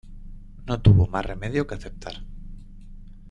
No tuvo más remedio que aceptar.